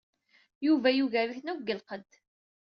Yuba yugar-iten akk deg lqedd.